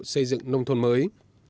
xây dựng nông thôn mới